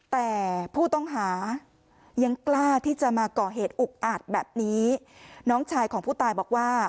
แต่ผู้ต้องหายังกล้าที่จะมาก่อเหตุอุกอาจแบบนี้น้องชายของผู้ตายบอกว่า